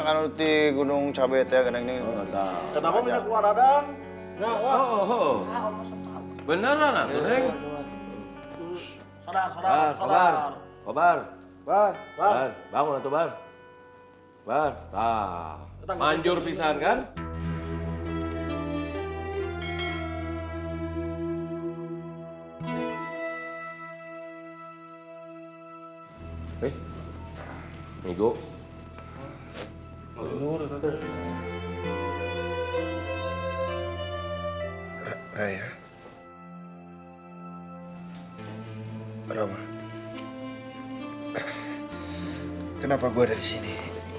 kenapa gue ada disini